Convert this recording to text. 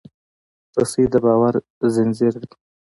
رسۍ د باور زنجیر دی.